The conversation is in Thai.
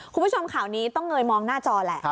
คุณผู้ชมข่าวนี้ต้องเงยมองหน้าจอแหละ